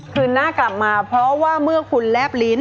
คืนน่ากลับมาเพราะ๒๒๐๔